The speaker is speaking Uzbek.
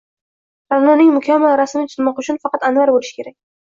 Ra’noning mukammal rasmini chizmoq uchun faqat Anvar bo’lish kerak.